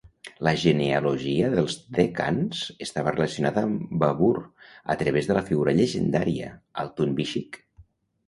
La genealogia dels The Khans estava relacionada amb Babur a través de la figura llegendària, Altun Bishik.